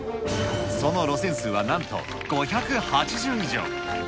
その路線数はなんと、５８０以上。